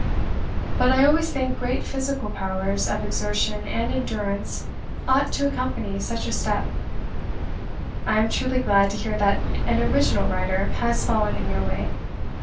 But I always think great physical powers of exertion and endurance ought to accompany such a step. ... I am truly glad to hear that an ORIGINAL writer has fallen in your way.